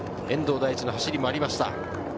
遠藤大地の走りがありました。